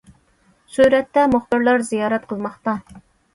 سۈرەتتە: مۇخبىرلار زىيارەت قىلماقتا.